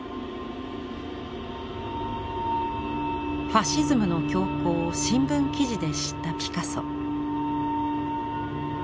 ファシズムの凶行を新聞記事で知ったピカソ。